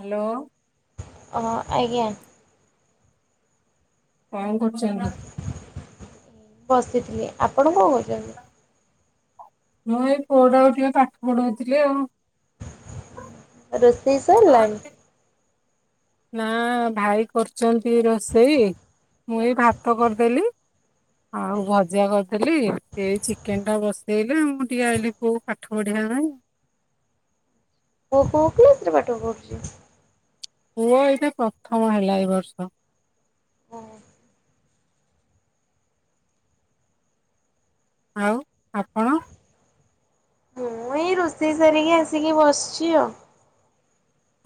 Hello ହଁ ଆଜ୍ଞା କଣ କରୁଚନ୍ତି ବସିଥିଲି ଆପଣ କଣ କରୁଛନ୍ତି ମୁଁ ଏଇ ପୁଅ ଟାକୁ ଟିକେ ପାଠ ପଢଉଥିଲି ଆଉ ରୋଷେଇ ସରିଲାଣି ନା ଭାଇ କରୁଛନ୍ତି ରୋଷେଇ ମୁଁ ଏଇ ଭାତ କରିଦେଲି ଆଉ ଭଜା କରିଥିଲି ସେଇ ଚିକେନ ଟା ବସେଇଲେ ମୁଁ ଟିକେ ଆଇଲିି କୋଉ ପାଠ ପଢିବା ନାଇଁ ପୁଅ କୋଉ କ୍ଲାସରେ ପାଠ ପଢୁଚି ପୁଅ ଏଇଟା ପ୍ରଥମ ହେଲା ଏଇ ବର୍ଷ ଆଉ ଆପଣ ମୁଁ ଏଇ ରୋଷେଇ ସାରିକି ଆସିକି ବସିଛି ଆଉ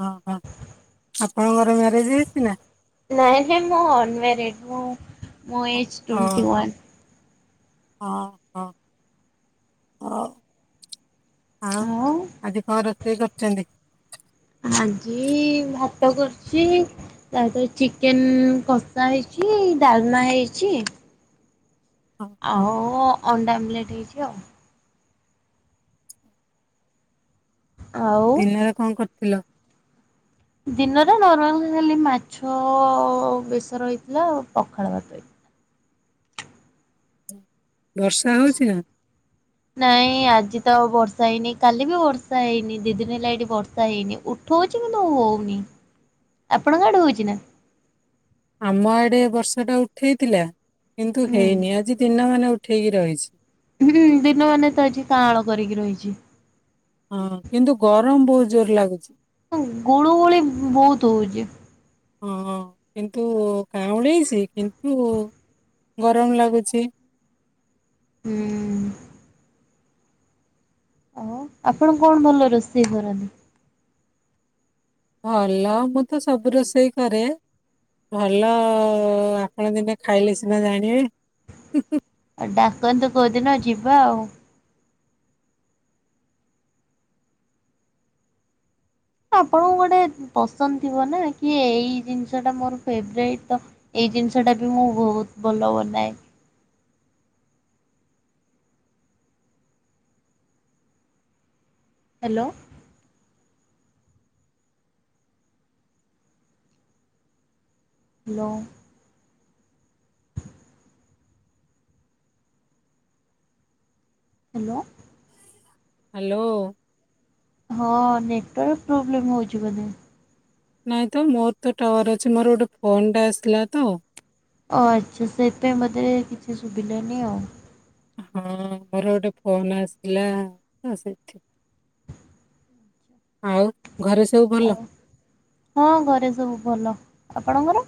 ଓହୋ ଆପଣଙ୍କର ମ୍ୟାରେଜ ହେଇଛି ନା ନାଇ ନାଇ ମୁଁ ଅନମ୍ୟାରେଡ଼୍ ମୁଁ ମୋ ହଁ ଏଜ୍ ଟ୍ୱେଣ୍ଟି ୱାନ୍ ହଁ ହଁ ହଁ ଆଉ ଆଜି କଣ ରୋଷେଇ କରିଚନ୍ତି। ଆଜି ଭାତ କରିଚି ତାପରେ ଚିକେନ୍ କସା ହେଇଛି ଡାଲ୍‌ମା ହେଇଛି ହଁ ହଁ ଆଉ ଅଣ୍ଡା ଆମ୍ଲେଟ୍ ହେଇଛି ଆଉ ଆଉ ଦିନରେ କଣ କରିଥିଲ। ଦିନରେ ନର୍ମାଲ ଖାଲି ମାଛ ବେଶର ରହିଥିଲା ପଖାଳ ଭାତ ହେଇଥିଲା। ବର୍ଷା ହଉଛି ନା ନାଇଁ ଆଜି ତ ବର୍ଷା ହେଇନି କାଲି ବି ବର୍ଷା ହେଇନି ଦି ଦିନି ହେଲା ଏଠି ବର୍ଷା ହେଇନି ଉଠ ଉଠଉଛି କିନ୍ତୁ ହଉନି ଆପଣଙ୍କ କ ଆଡ଼େ ହଉଛି ନା ଆମ ଆଡେ ବର୍ଷ ଟା ଉଠେଇଥିଲା କିନ୍ତୁ ହୁଁ ହେଇନି ଆଜି ଦିନ ମାନେ ଉଠେଇକି ରହିଛି ହୁଁ ଦିନ ମାନେ ତ ଆଜି କଁଳ କରିକି ରହିଛି ହଁ କିନ୍ତୁ ଗରମ ବହୁତ ଜୋର୍ ରେ ଲାଗୁଛି ଗୁଳୁ ଗୁଳି ବହୁତ ହଉଛି ହଁ କିନ୍ତୁ କାଁ ଉଳେଇଛି କିନ୍ତୁ ଗରମ ଲାଗୁଛି ହୁଁ ଓ ଆପଣ କଣ ଭଲ ରୋଷେଇ କରନ୍ତି ଭଲ ମୁଁ ତ ସବୁ ରୋଷେଇ କରେ ଭଲ ଆପଣ ଦିନେ ଖାଇଲେ ସିନା ଜାଣିବେ ଆଉ ଡାକନ୍ତୁ କୋଉଦିନ ଯିବା ଆଉ ଆପଣଙ୍କୁ ଗୋଟେ ପସନ୍ଦ ଥିବ ନା କି ଏଇ ଜିନିଷ ଟା ମୋର ଫେବ୍ରାଇଟ୍ ତ ଏଇ ଜିନିଷ ଟା ବି ମୁଁ ବହୁତ ଭଲ ବନାଏ। ହ୍ୟାଲୋ ହାଲ ହ୍ୟାଲୋ ହାଲୋ। ହଁ ନେଟୱାର୍କ ପ୍ରୋବ୍ଲେମ୍ ହଉଛି ବୋଧେ। ନାଇଁ ତ ମୋର ତ ଟାୱାର ଅଛି ମୋର ଗୋଟେ ଫୋନ ଟା ଆସିଲା ତ। ଓ ଆଚ୍ଛା ସେଇଥିପାଇଁ ମଝିରେ କିଛି ସୁଭିଲାନି ଆଉ। ହଁ ମୋର ଗୋଟେ ଫୋନ ଆସିଲା ତ ସେଥି ଆଛା। ଆଉ ଘରେ ସବୁ ଭଲ। ହଁ ଘରେ ସବୁ ଭଲ ଆପଣଙ୍କର।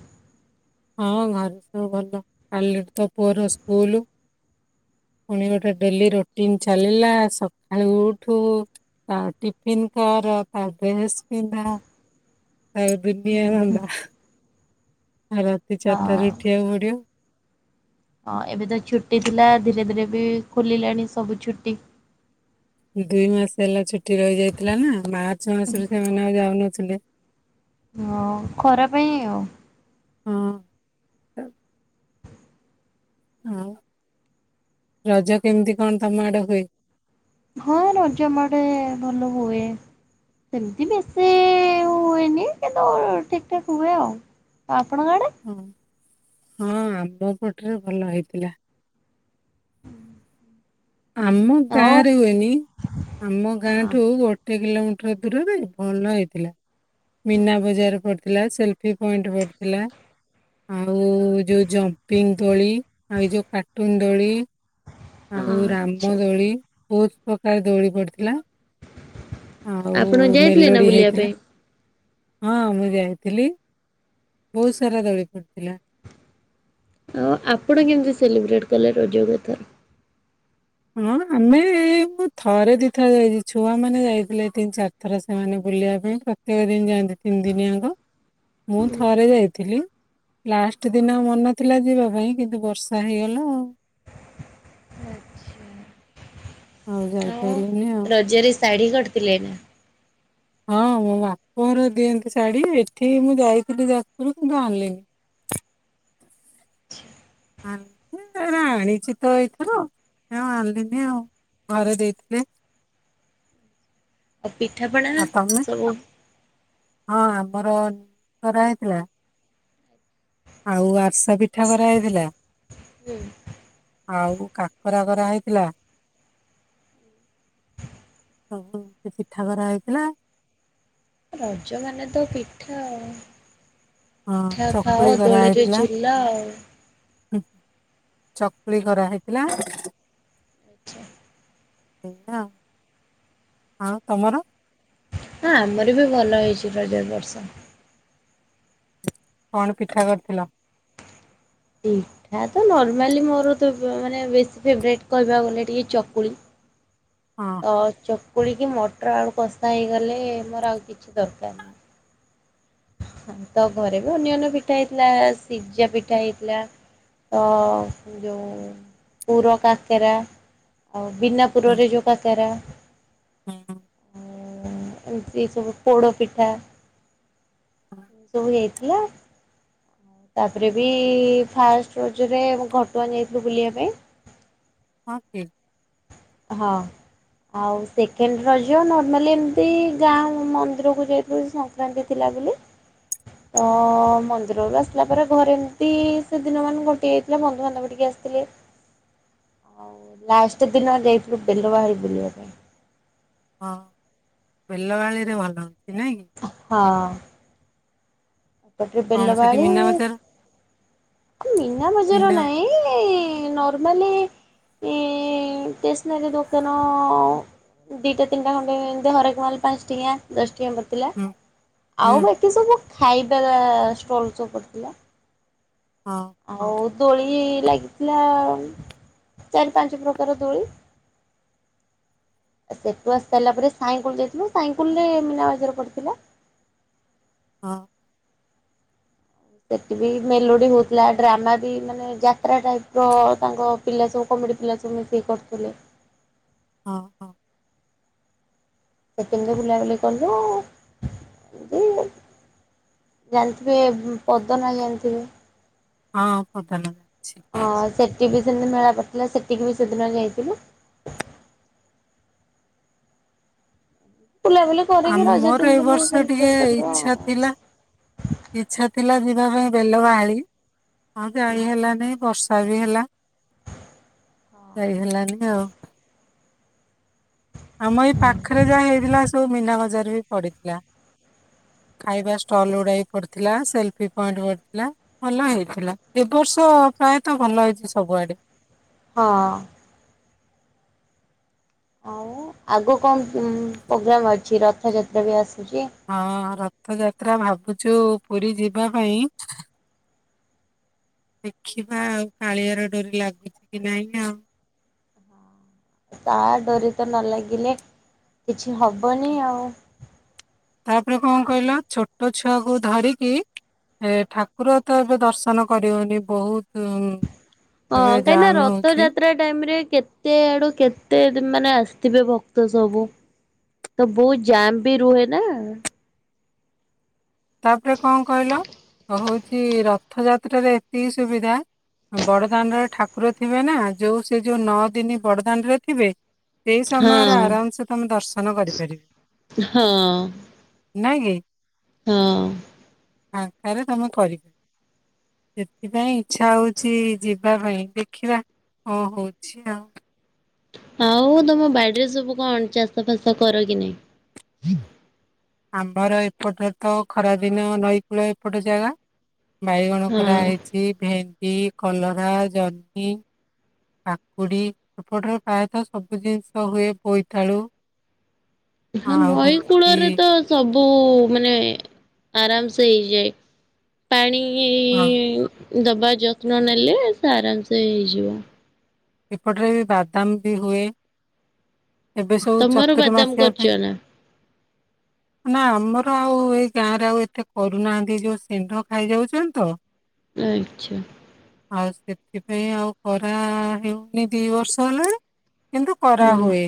ହଁ ଘରେ ସବୁ ଭଲ କଲିଠୁ ତ ପୁଅ ର ସ୍କୁଲ। ପୁଣି ଗୋଟେ ଡେଲି ରୁଟିନ ଚାଲିଲା ସକାଳୁ ଉଠୁ। ତା ଟିଫିନ କର ତା ଡ୍ରେସ୍ ପିନ୍ଧା। ଆଉ ଦୁନିଆ ଧନ୍ଦା। ଆଉ ରାତି ଚାରିଟାରେ ହଁ ଉଠିବାକୁ ପଡିବ। ହଁ ଏବେ ତ ଛୁଟି ଥିଲା ଧୀରେ ଧୀରେ ବି ଖୋଲିଲାଣି ସବୁ ଛୁଟି। ଦୁଇ ମାସ ହେଲା ଛୁଟି ରହି ଯାଇଥିଲା ନା ମାର୍ଚ୍ଚ ମାସରୁ ସେମାନେ ଆଉ ଯାଉନଥିଲେ। ହଁ ଖରା ପାଇଁ ଆଉ। ହଁ। ହଉ ରଜ କେମିତି କଣ ତମ ଆଡେ ହୁଏ। ହଁ ରଜ ଆମ ଆଡେ ଭଲ ହୁଏ। ସେମିତି ବେଶୀ ହୁଏନି କିନ୍ତୁ ଠିକ୍ ଠାକ୍ ହୁଏ ଆଉ। ଆଉ ଆପଣଙ୍କ ଆଡେ। ହଁ ହଁ ଆମ ପଟରେ ଭଲ ହେଇଥିଲା। ଆମ ଆଉ ଗାଁ ରେ ହୁଏନି ଆମ ଗାଁ ହଁ ଠୁ ଗୋଟ ଗୋଟେ କିଲୋମିଟର ଦୂରରେ ଭଲ ହେଇଥିଲା ମିନା ବଜାର ପଡି ଥିଲା ସେଲଫି୍ ପଏଣ୍ଟ ପଡିଥିଲା। ଆଉ ଯୋଉ ଜମ୍ପିଙ୍ଗ୍ ଦୋଳି ଆଉ ଏଇ ଯୋଉ କାର୍ଟୁନ୍ ଦୋଳି। ଆଉ ରାମ ଆଚ୍ଛା ଦୋଳି ବହୁତ ପ୍ରକାର ଦୋଳି ପଡିଥିଲା। ଆଉ ଆପଣ ଯାଇଥିଲେ ନା ମେଲୋଡି ବୁଲିବା ହେଇଥିଲା ପାଇଁ? ହଁ ମୁଁ ଯାଇଥିଲି। ବହୁତ ସାରା ଦୋଳି ପଡିଥିଲା। ଆଉ ଆପଣ କେମିତି ସେଲିବ୍ରେଟ କଲେ ରଜକୁ ଏଥର। ହଁ ଆମେ। ଥରେ ଦିଥର ଯାଇଛୁ ଛୁଆ ମାନେ ଯାଇଥିଲେ ତିନି ଚାରି ଥର ସେମାନେ ବୁଲିବା ପାଇଁ ତ। ସେ ଦିନି ଯାଆନ୍ତି ତିନି ଦିନି ଆଙ୍କ ମୁଁ ଥରେ ଯାଇଥିଲି। ଲାଷ୍ଟ ଦିନ ମନ ଥିଲା ଯିବା ପାଇଁ କିନ୍ତୁ ବର୍ଷା ହେଇଗଲା ଆଉ। ଆଉ ଯାଇ ପାଇଲୁନି ଆଉ। ରଜ ରେ ଶାଢୀ କରିଥିଲେ ନା। ହଁ ମୋ ବାପ ଘର ଦିଅନ୍ତି ଶାଢୀ ଏଠି ମୁଁ ଯାଇଥିଲି ଯାଜପୁରୁ‌ କିନ୍ତୁ ଆଣିଲିନି। [unintelligible] ଏରା ଆଣିଛି ତ ଏଇଥିରୁ ଏ ଆଉ ଆଣିଲିନି ଆଉ ଘରେ ଦେଇଥିଲେ। ଆଉ ପିଠାପଣା ଆଉ ତମେ ସବୁ। ହଁ ଆମର କାକରା ହେଇଥିଲା। ଆଉ ଆରିସା ପିଠା କରା ହେଇଥିଲା। ଆଉ କାକରା‌ କରା ହେଇଥିଲା। ସବୁ ସେ ପିଠା କରା ହେଇଥିଲା। ରଜ ମାନେ ତ ପିଠା ଆଉ। ହଁ ପିଠା ଚକୁଳି ଖାଅ ଦୋଳିରେ କରାହେଇଥିଲା ଝୁଲ ଆଉ। ହୁଁ ଚକୁଳି କରା ହେଇଥିଲା। ଆଚ୍ଛା। [unintelligible] ଆଉ ତମର? ହଁ ଆମର ବି ଭଲ ହେଇଛି ରଜ ଏ ବର୍ଷ। କଣ ପିଠା କରିଥିଲ? ପିଠା ତ ନର୍ମାଲି ମୋର ତ ଏବେ ମାନେ ବେଶୀ ଫେବରାଇଟ୍ କହିବାକୁ ଗଲେ ଟିକେ ଚକୁଳି। ହଁ। ତ ଚକୁଳିି କି ମଟର ଆଳୁ କଷା ହେଇଗଲେ ମୋର ଆଉ କିଛି ଦରକାର୍ ନାଇ। ହଁ ତ ଘରେ ବି ଅନ୍ୟାନ୍ୟ ପିଠା ହେଇଥିଲା, ସିଜା ପିଠା ହେଇଥିଲା। ତ ଯୋଉଁ ପୁର କାକେରା ଆଉ ବିନା ହୁଁ ପୁରରେ ଯୋଉ କାକରା। [unintelligible] ଉଁ -ଉଁ -ଉଁ ଆଉ କିଏ ସବୁ ପୋଡ଼ ପିଠା ସବୁ ହେଇଥିଲା। ତାପରେ ବି ଫାଷ୍ଟ ରଜରେ ଘଟଆଁ ଯାଇଥିଲୁ ବୁଲିବା ପାଇଁ। ହଁ କି? ହଁ। ଆଉ ସେକେଣ୍ଡ ରଜ ନର୍ମାଲି ଏମିତି ଗାଁ ମନ୍ଦିରକୁ ଯାଇଥିଲି ସାଙ୍ଗ୍ ମନ୍ଡେ ଥିଲା ବୋଲି। ତ ମନ୍ଦିରରୁ ଆସିଲା ପରେ ଘରେ ଏମିତି ସେଦିନ ମାନେ ଗୋଟିଏ ବନ୍ଧୁବାନ୍ଧବ ଟିକେ ଆସିଥିଲେ ଆଉ ଲାଷ୍ଟ ଦିନ ଯାଇଥିଲୁ ବେଲ ବାହାରି ବୁଲିବା ପାଇଁ। ହଁ ବେଲବାଳିରେ ଭଲ ହଉଚି ନାଇଁ କି? ହଁ। ତାପରେ କଣ ସେଠି ବେଲବାଳି ମୀନା ବଜାର ଏ ମିନା ବଜାର ମୀନା ନାଇଁ। ଏଇ ଇ-ଇ ନର୍ମାଲି କି ଟେସ୍ନାରୀ ଦୋକାନ ଅ-ଅ-ଅ ଦୁଟା ତିନଟା ଖଣ୍ଡେ ଏନ୍ତି ହରେକ୍ ମାଲ ପାନ୍ସ ଟଙ୍କିଆ ଦଶ ଟଙ୍କିଆ ପଡିଥିଲା, ହୁଁ ହୁଁ ଆଉ ବାକି ସବୁ ଖାଇବା ଷ୍ଟଲ୍ ସବୁ ପଡ଼ିଥିଲା। ହଁ। ଆଉ ଦୋଳି ଲାଗିଥିଲା ଚାରି ପାଞ୍ଚ ପ୍ରକାର ଦୋଳି। ଏ ସେଟୁ ଆସି ସାଇଲା ପରେ ସାଇଙ୍କୁଲ୍ ଯାଇଥିଲୁ, ସାଇଙ୍କୁଲ୍ ରେ ମୀନାବାଜର ପଡ଼ିଥିଲା। ହଁ। ସେଟି ବି ମେଲୋଡି ହଉଥିଲା, ଡ୍ରାମା ବି ମାନେ ଯାତ୍ରା ଟାଇପ୍ ର ତାଙ୍କ ପିଲା ସବୁ କମିଟି ପିଲା ସବୁ ମିଶିକି କରୁଥିଲେ। ଅଁ। ସେ [unintelligible] ବୁଲାବୁଲି କଲୁ ଏମ୍ତି ଜାଣିଥିବେ ପଦନା ଜାଣିଥିବେ? ହଁ ପଦନା ଅଛି। ହଁ ସେଠି ବି ସେମ୍ତି ମେଳା ପଡିଥିଲା ସେଠିକି ବି ସେଦିନ ଯାଇଥିଲୁ। ବୁଲାବୁଲି କରିକି ରଜ ଆମର ତିନି ଏଇ ଦିନି ବର୍ଷ ଟିକେ ସେଲିବ୍ରେଟ କରିବ ଆଉ। ଇଚ୍ଛା ଥିଲା ଇଚ୍ଛା ଥିଲା ଯିବା ପାଇଁ ବେଲ ବାହାଳି, ଆଉ ଯାଇ ହେଲାନି ବର୍ଷ ତା ବି ହେଲା। ଯାଇ ହେଲାନି ଆଉ ଆମ ଏଇ ପାଖରେ ଯାହା ହେଇଥିଲା ସବୁ ମୀନା ବଜାରରେ ବି ପଡିଥିଲା। ଖାଇବା ଷ୍ଟଲ ଗୁଡାଏ ପଡିଥିଲା ସେଲଫି ପଏଣ୍ଟ ପଡିଥିଲା। ଭଲ ହେଇଥିଲା ଏ ବର୍ଷ ପ୍ରାୟତଃ ଭଲ ହେଇଛି ସବୁଆଡେ। ହଁ ଆଉ ଆଗକୁ କଣ ପ୍ରୋଗ୍ରାମ୍ ଅଛି ରଥଯାତ୍ରା ବି ଆସୁଛି। ହଁ ରଥଯାତ୍ରା ଭାବୁଛୁ ପୁରୀ ଯିବା ପାଇଁ। ଦେଖିବା ଆଉ କାଳିଆର ଡୋରି ଲାଗୁଛି କି ନାହିଁ ଆଉ। ତା ଡୋରିତ ନ ଲାଗିଲେ କିଛି ହବନି ଆଉ। ତାପରେ କଣ କହିଲ ଛୋଟ ଛୁଆକୁ ଧରିକି। ଏ ଠାକୁର ତ ଏବେ ଦର୍ଶନ କରିହଉନି ବହୁତ ହଁ ଏବେ କାହିଁକିନା ଜାମ ହଉଛି ରଥଯାତ୍ରା ଟାଇମରେ କେତେ କେତେ ଆଡୁ କେତେ ମାନେ ଆସିଥିବେ ଭକ୍ତ ସବୁ। ତ ବହୁତ ଜାମ ବି ରୁହେ ନା। ତାପରେ କଣ କହିଲ ହଉଛି ରଥଯାତ୍ରାରେ ଏତିକି ସୁବିଧା ବଡଦାଣ୍ଡରେ ଠାକୁର ଥିବେ ନା ଯୋଉ ସେ ଯୋଉ ନଅ ଦିନ ବଡଦାଣ୍ଡ ରେ ଥିବେ। ସେଇ ସମୟରେ ହଁ ଆରାମ ସେ ତମେ ଦର୍ଶନ ହଁ କରିପାରିବ ନାଇଁ କି? ହଁ ଫାଙ୍କାରେ ତମେ କରିିବ। ସେଥିପାଇଁ ଇଚ୍ଛା ହଉଛି ଯିବା ପାଇଁ ଦେଖିବା। ହଁ ହଉଛି ଆଉ। ଆଉ ତମ ବାଡିରେ ସବୁ କଣ ଚାଷ ଫାସ କର କି ନାଇଁ। ଆମର ଏପଟ ତ ଖରାଦିନ ନଈକୂଳ ଏପଟ ଜାଗା। ବାଇଗଣ ହଁ କରାହେଇଛି ଭେଣ୍ଡି, କଲରା, ଜହ୍ନି। କକୁଡି ଏପଟରେ ପ୍ରାୟତଃ ସବୁ ଜିନିଷ ହୁଏ ବୋଇତାଳୁ। ହ ଆଉ ନଈ ହଉଛି କୂଳରେ ତ ସବୁ ମାନେ ଆରାମ ସେ ହେଇଯାଏ। ହଁ ପାଣିଇ ଦବା ଯତ୍ନ ନେଲେ ସେ ଆରାମସେ ହେଇଯିବ। ଏପଟରେ ବାଦାମ ବି ହୁଏ। ଏବେ ସବୁ ତମର ବାଦାମ ଚତୁର୍ମାସିଆ ପାଇଁ କରୁଚ ନା। ନା ଆମର ଆଉ ଏଇ ଗାଁରେ ଆଉ ଏତେ କରୁନାହାନ୍ତି ଯୋଉ ସେଣ୍ଢ ଖାଇଯାଉଛନ୍ତି ତ। ଆଚ୍ଛା ଆଉ ସେଥିପାଇଁ ଆଉ କରା ହେଉନି ଦି ବର୍ଷ ହେଲାଣି। କିନ୍ତୁ ହୁଁ କରାହୁଏ।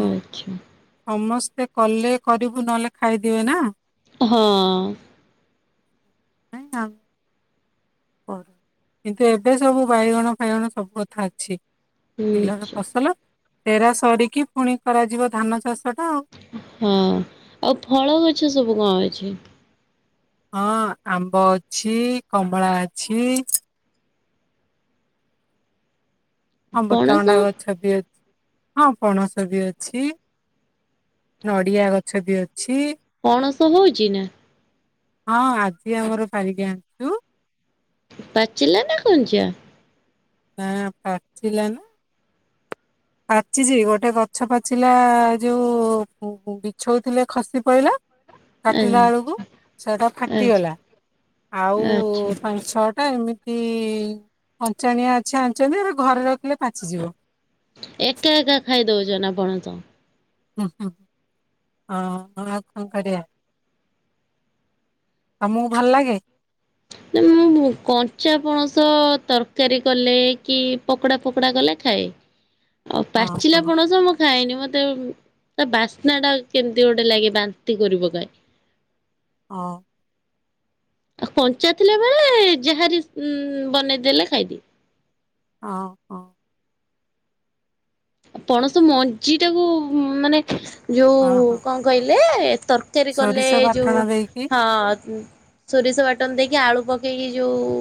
ହଁ ସମସ୍ତେ କଲେ କରିବୁ ନହେଲେ ଖାଇଦବେ ନା। ହଁ [unintelligible] ଓ କିନ୍ତୁ ଏବେ ସବୁ ବାଇଗଣ ଫାଇଗଣ ସବୁ କଥା ଅଛି। ବିଲର ଆଚ୍ଛା ଫସଲ ତେରା ସରିକି ପୁଣି କରାଯିବ ଧାନ ଚାଷଟା ଆଉ। ହଁ ଆଉ ଫଳ ଗଛ ସବୁ କଣ ଅଛି? ହଁ ଆମ୍ବ ଅଛି, କମଳା ଅଛି। ଅବୃତ ପଣସ ଭଣ୍ଡା ଗଛ ବି ଅ ହଁ ପଣସ ବି ଅଛି। ନଡିଆ ଗଛ ବି ଅଛି। ପଣସ ହଉଛି ନା। ହଁ ଆଜି ଆମର ପାରିକ ଆଣି ପାଚିଲା ନାଁ କଞ୍ଚା? ନାଁ ପାଚିଲା ନାଁ। ହ ପାଚିଛି ଗୋଟେ ଗଛ ପାଚିଲା ଯୋଉ ବିଛଉଥିଲେ ଖସି ପଇଲା। ଲା କାଟିଲା ବେଳକୁ ସେଟା ଫାଟିଗଲା ଆଉ ଆଚ୍ଛା। ପାଞ୍ଚ ଛଅ ଟା ଏମିତି ଅଞ୍ଚାଣିଆ ଅଛି ଆଣିଛନ୍ତି ଏ ଘରେ ରଖିଲେ ପାଚିଯିବ। ଏକା ଏକା ଖାଇ ଦଉଛ ନାଁ ପଣସ? ହଁ ହଁ ହଁ ଆ ଆଉ କଣ କରିବା। ତମକୁ ଭଲ ଲାଗେ? ନା ମୁଁ କଞ୍ଚା ପଣସ ତରକାରୀ କଲେ କି ପକୋଡ଼ା ଫକୋଡ଼ା କଲେ ଖାଏ। ଆଉ ହଁ ହଁ ପାଚିଲା ହଁ। ପଣସ ମୁଁ ଖାଇନି ମତେ ତା ବାସ୍ନା ଟା କେମିତି ଗୋଟେ ଲାଗେ ବାନ୍ତି କରିପକାଏ। ହଁ। ଆଉ କଞ୍ଚା ଥିଲା ବେଳେ ଯାହାରି ବନେଇଦେଲେ ଖାଇଦିଏ। ଅ ହଁ। ପଣସ ମଞ୍ଜି ଟାକୁ ମାନେ ହଁ ଯୋଉ ହଁ କଣ କହିଲେ ତର ତିଆରି କଲେ ସୋରିଷ ବାଟଣ ଯୋଉ ଦେଇକି ହଁ। ସୋରିଷ ବାଟନ ଦେଇକି ଆଳୁ ପକେଇକି ଯୋଉ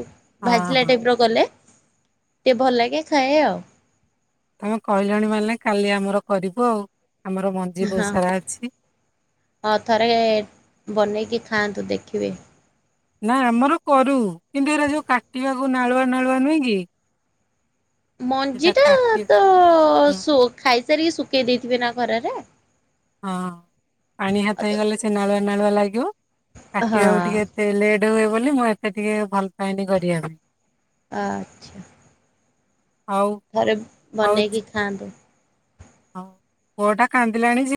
ହଁ ଭାଜିଲା ହଁ। ଟାଇପ୍ରର କଲେ ଟିକେ ଭଲ ଲାଗେ ଖାଏ ଆଉ। ତମେ କହିଲଣି ମାନେ କାଲି ଆମର କରିବୁ ଆଉ ଆମର ମ ହଁ ହଁ ଥରେ ବନେଇକି ଖାଆନ୍ତୁ ଦେଖିବେ? ନା ଆମର କରୁ କିନ୍ତୁ ଏଟା ଯୋଉ କାଟିବାକୁ ନାଳୁଆ ନାଳୁଆ ନୁହଁ କି? ମଞ୍ଜି ସେଟା ଟା କାଟି ତ ହଁ ସୁ ଖାଇସାରିକି ଶୁଖେଇ ଦେଇଥିବେ ନା ଖରା ରେ? ହଁ ପାଣି ହାତ ହେଇଗଲେ ସେ ନାଳୁଆ ନାଳୁଆ ଲାଗିବ କାଟିବା ବାକୁ ହଁ ଟିକେ ସେ ଲେଟ୍ ହୁଏ ବୋଲି ମୁଁ ଏତେ ଟିକେ ଭଲ ପାଏନି କରିବା ପାଇଁ। ଆଚ୍ଛା। ଆଉ ଘରେ ବନେଇକି ଖାଆନ୍ତୁ। ହ ପୁଅ ଟା କାନ୍ଦିଲାଣି ଯେ